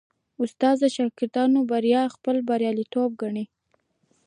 استاد د شاګرد بریا خپل بریالیتوب ګڼي.